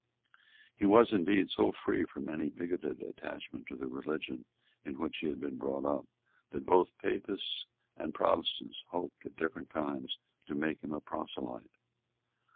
He was indeed so free from any bigoted attachment to the religion in which he had been brought up that both Papists and Protestants hoped at different times to make him a proselyte.